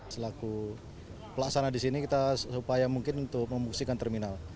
selaku pelaksana di sini kita supaya mungkin untuk membuktikan terminal